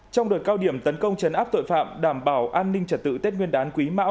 trong đợt cao điểm tấn công chấn áp tội phạm đảm bảo an ninh trật tự tết nguyên đán quý mão